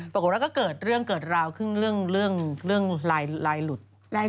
ปรากฏว่าก็เกิดเรื่องเกิดราวขึ้นเรื่องลายหลุด